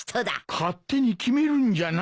勝手に決めるんじゃない。